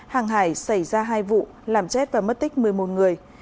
hàng hải xảy ra hai vụ làm chết và mất tích một mươi một người